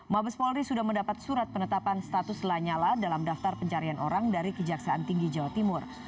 mabes polri sudah mendapat surat penetapan status lanyala dalam daftar pencarian orang dari kejaksaan tinggi jawa timur